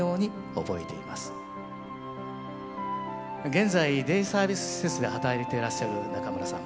現在デイサービス施設で働いていらっしゃる中村さん。